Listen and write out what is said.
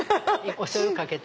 おしょうゆかけて。